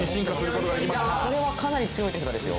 これはかなり強い手札ですよ。